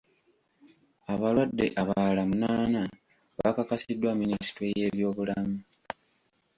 Abalwadde abalala munaana bakakasiddwa Minisitule y'ebyobulamu.